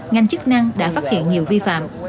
ngành chức năng đã phát hiện nhiều vi phạm